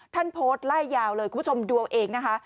ท่านโพสต์ไล่ยาวเลยคุณผู้ชมดูเอาเองนะคะ